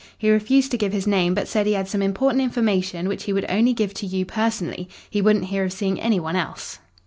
"He refused to give his name, but said he had some important information which he would only give to you personally. He wouldn't hear of seeing any one else."